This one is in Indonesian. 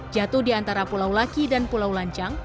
jatuh di antara pulau laki dan pulau lancang